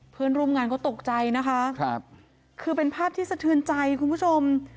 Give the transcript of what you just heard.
เพื่อนร่วมงานก็ตกใจนะคะครับคือเป็นภาพที่สะเทือนใจคุณผู้ชม